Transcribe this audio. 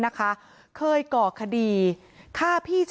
ไม่อยากให้ต้องมีการศูนย์เสียกับผมอีก